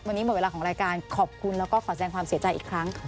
วันนี้หมดเวลาของรายการขอบคุณแล้วก็ขอแสดงความเสียใจอีกครั้ง